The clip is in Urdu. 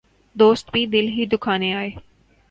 دوست بھی دل ہی دکھانے آئے